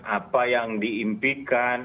apa yang diimpikan